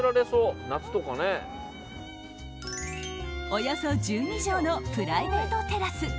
およそ１２畳のプライベートテラス。